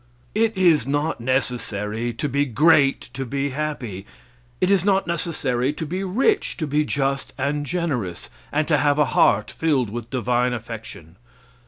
It is not necessary to be great to be happy; it is not necessary to be rich to be just and generous, and to have a heart filled with divine affection.